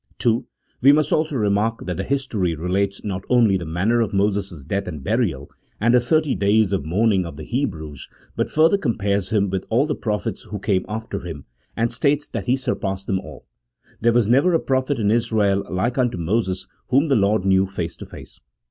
II. We must also remark that the history relates not only the manner of Moses' death and burial, and the thirty days' mourning of the Hebrews, but further com pares him with all the prophets who came after him, and states that he surpassed them all. " There was never a prophet in Israel like unto Moses, whom the Lord knew face to face."